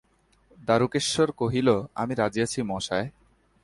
দারুকেশ্বর কহিল, আমি রাজি আছি মশায়।